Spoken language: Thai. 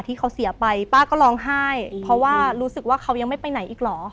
ที่เขาเสียไปป้าก็ร้องไห้เพราะว่ารู้สึกว่าเขายังไม่ไปไหนอีกเหรอ